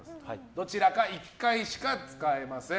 どちらか１回しか使えません。